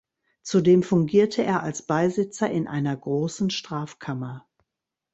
Zudem fungierte er als Beisitzer in einer Großen Strafkammer.